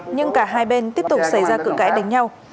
nhưng cả hai bên tiếp tục xảy ra cự cãi đánh nhau